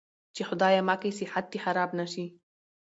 چې خدايه مکې صحت دې خراب نه شي.